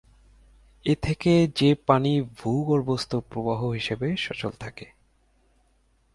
এ থেকে যে পানি ভূগর্ভস্থ প্রবাহ হিসেবে সচল থাকে।